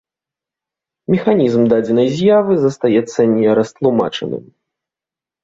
Механізм дадзенай з'явы застаецца не растлумачаным.